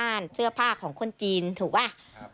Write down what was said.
ได้นำเรื่องราวมาแชร์ในโลกโซเชียลจึงเกิดเป็นประเด็นอีกครั้ง